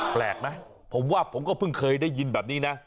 แปลกไหมผมว่าผมก็เพิ่งเคยได้ยินแบบนี้นะ